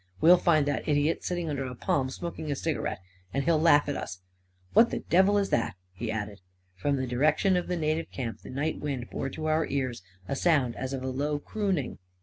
" We'll find that idiot sitting under a palm smoking a cigarette. And he'll laugh at us I What the devil is that?" he added, for from the direction of the native camp the night wind bore to our ears a sound as of a low crooning.